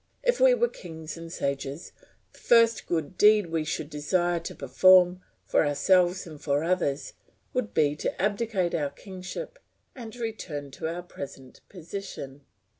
If we were kings and sages, the first good deed we should desire to perform, for ourselves and for others, would be to abdicate our kingship and return to our present position.